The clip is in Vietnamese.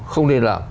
không nên làm